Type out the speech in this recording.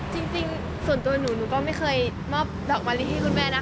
จริงส่วนตัวหนูหนูก็ไม่เคยมอบดอกมะลิให้คุณแม่นะคะ